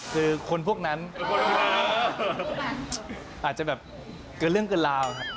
คือคนพวกนั้นอาจจะแบบเกินเรื่องเกินราวครับ